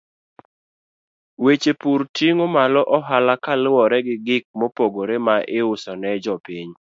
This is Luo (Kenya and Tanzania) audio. Weche pur ting'o malo ohala kaluwore gi gik mopogore ma iuso ne jopiny.